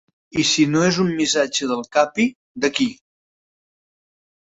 I si no és un missatge del Capi, de qui?